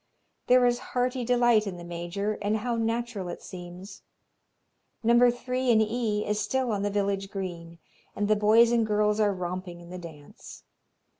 There is hearty delight in the major, and how natural it seems. No. 3 in E is still on the village green, and the boys and girls are romping in the dance.